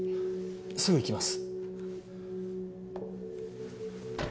すぐ行きます。